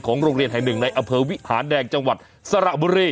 โรงเรียนแห่งหนึ่งในอำเภอวิหารแดงจังหวัดสระบุรี